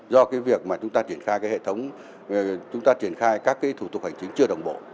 do cái việc mà chúng ta triển khai các thủ tục hành chính chưa đồng bộ